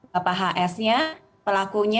bapak hs nya pelakunya